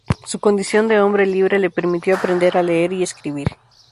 Su condición de hombre libre le permitió aprender a leer y escribir.